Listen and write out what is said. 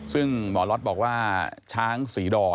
ซึ่งหมอล็อตบอกว่าช้างศรีดอ